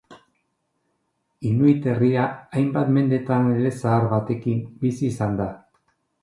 Inuit herria hainbat mendetan elezahar batekin bizi izan da.